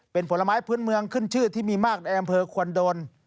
เป็นผลไม้พื้นเมืองขึ้นชื่อที่มีมากในอำเภอควนโดน